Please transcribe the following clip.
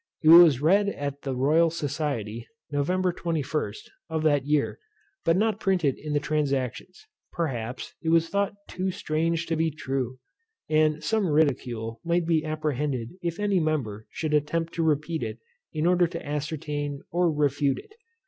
It was read at the Royal Society, Nov. 21, of that year, but not printed in the Transactions; perhaps because it was thought too strange to be true, and some ridicule might be apprehended if any member should attempt to repeat it in order to ascertain or refute it.